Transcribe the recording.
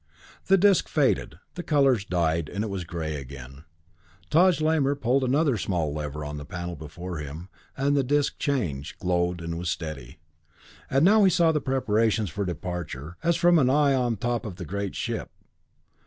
The disc faded, the colors died, and it was gray again. Taj Lamor pulled another small lever on the panel before him, and the disc changed, glowed, and was steady; and now he saw the preparations for departure, as from an eye on the top of the great ship.